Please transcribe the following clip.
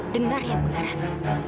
dengar ya bularas